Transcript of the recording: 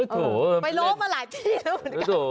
ไปรู้มาหลายที่แล้วเหมือนกัน